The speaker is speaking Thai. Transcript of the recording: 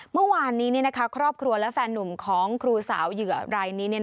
เมื่อวานนี้ครอบครัวและแฟนหนุ่มของครูสาวเหยื่อรายนี้